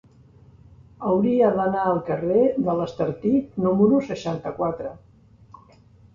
Hauria d'anar al carrer de l'Estartit número seixanta-quatre.